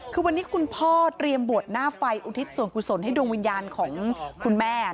คือวันนี้คุณพ่อเตรียมบวชหน้าไฟอุทิศส่วนกุศลให้ดวงวิญญาณของคุณแม่